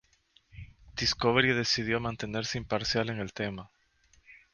Discovery decidió mantenerse imparcial en el tema.